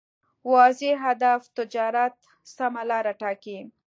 واضح هدف تجارت سمه لاره ټاکي.